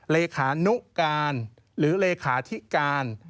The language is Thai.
เลขานุการหรือเลขาธิการ